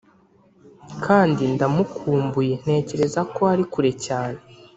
kandi ndamukumbuye ntekereza ko ari kure cyane,